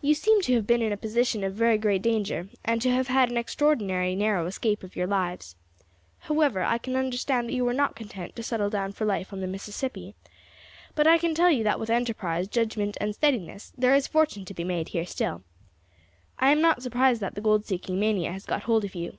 You seem to have been in a position of very great danger, and to have had an extraordinarily narrow escape of your lives. However, I can understand that you are not content to settle down for life on the Mississippi, but I can tell you that with enterprise, judgment, and steadiness there is fortune to be made here still. I am not surprised that the gold seeking mania has got hold of you."